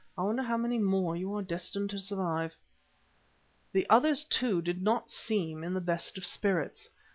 I wonder how many more you are destined to survive. The others, too, did not seem in the best of spirits.